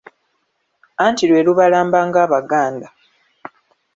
Anti lwe lubalamba ng'Abaganda.